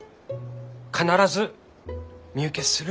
必ず身請けする。